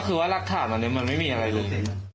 ก็คือว่ารักษาของมันมันไม่มีอะไรเลย